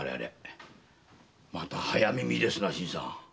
また早耳ですな新さん。